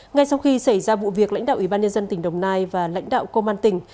ngay sau khi xảy ra vụ việc lãnh đạo ủy ban nhân dân tỉnh đồng nai và lãnh đạo công an tỉnh